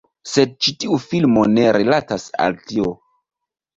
Sed ĉi tiu filmo ne rilatas al tio.